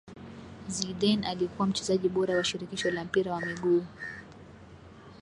Zidane alikuwa mchezaji bora wa shirikisho la mpira wa miguu